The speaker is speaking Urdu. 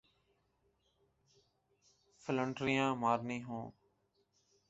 فلنٹریاں مارنی ہوں۔